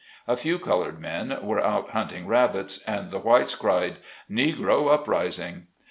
A few colored men were out hunting rabits, and the whites cried, "Negro uprising."